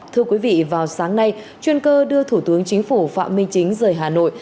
thưa quý vị vào sáng nay chuyên cơ đưa thủ tướng chính phủ phạm minh chính rời hà nội